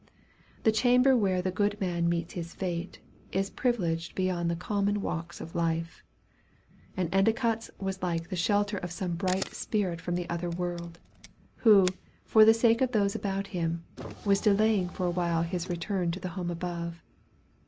"The chamber where the good man meets his fate, Is privileged beyond the common walks of life," and Endicott's was like the shelter of some bright spirit from the other world, who, for the sake of those about him, was delaying for a while his return to the home above.